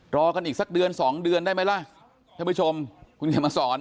รอกันอีกสักเดือนสองเดือนได้ไหมล่ะท่านผู้ชมคุณเขียนมาสอน